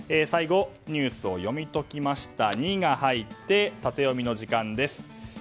最後、ニュースを読み解きました「ニ」が入りましてタテヨミの時間です。